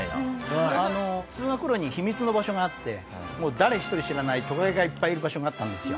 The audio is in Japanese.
通学路に秘密の場所があって誰一人知らないトカゲがいっぱいいる場所があったんですよ。